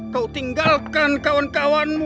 kau tinggalkan kawan kawanmu